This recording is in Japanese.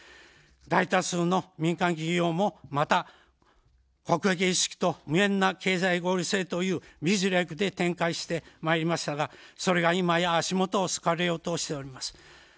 大多数の民間企業もまた、国益意識と無縁な経済合理性という美辞麗句で展開してまいりましたが、それが今や足元をすくわれようとしております。